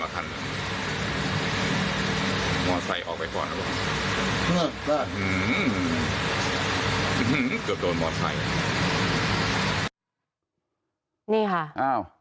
เกือบโดนมอดไทย